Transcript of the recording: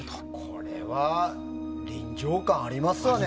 これは臨場感ありますよね